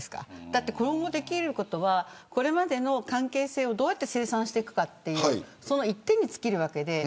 だって、今後できることはこれまでの関係性をどうやって清算するかというその一点に尽きるわけです。